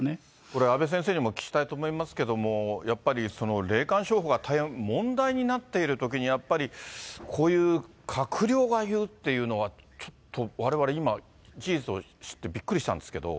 これ、阿部先生にもお聞きしたいと思いますけれども、やっぱりその霊感商法が大変問題になっているというときに、やっぱりこういう閣僚が言うっていうのは、ちょっとわれわれ、今事実を知ってびっくりしたんですけど。